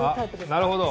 なるほど！